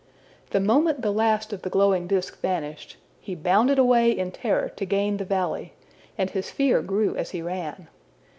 The moment the last of the glowing disk vanished, he bounded away in terror to gain the valley, and his fear grew as he ran.